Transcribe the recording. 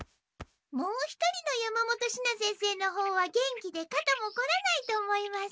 もう一人の山本シナ先生の方は元気でかたもこらないと思います。